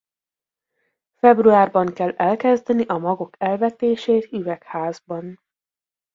Februárban kell elkezdeni a magok elvetését üvegházban.